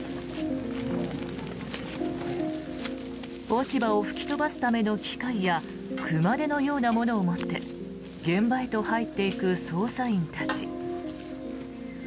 落ち葉を吹き飛ばすための機械や熊手のようなものを持って現場へと入っていく捜査員たち。